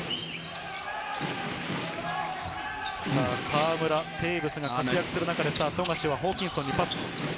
河村、テーブスが活躍する中、富樫はホーキンソンにパス。